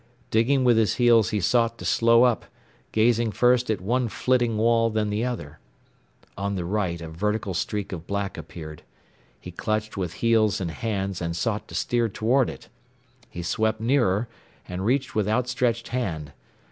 Digging with his heels he sought to slow up, gazing first at one flitting wall, then the other. On the right a vertical streak of black appeared. He clutched with heels and hands, and sought to steer toward it. He swept nearer, and reached with outstretched hand.